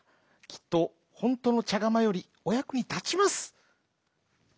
きっとほんとのちゃがまよりおやくにたちます」。